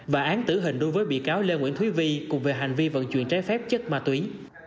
và án tử hình đối với bị cáo lê nguyễn thúy vi cùng về hành vi vận chuyển trái phép chất ma túy